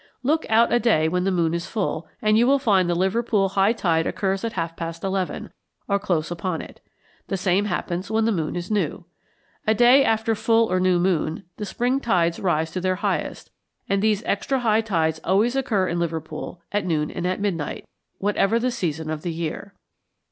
Look out a day when the moon is full, and you will find the Liverpool high tide occurs at half past eleven, or close upon it. The same happens when the moon is new. A day after full or new moon the spring tides rise to their highest, and these extra high tides always occur in Liverpool at noon and at midnight, whatever the season of the year.